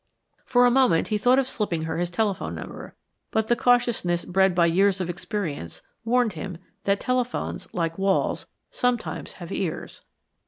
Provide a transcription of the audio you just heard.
For a moment he thought of slipping her his telephone number, but the cautiousness bred by years of experience warned him that telephones, like walls, sometimes have ears.